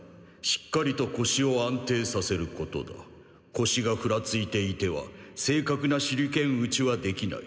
こしがふらついていては正確な手裏剣打ちはできない。